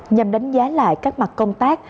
nhằm đánh giá lại các mặt công tác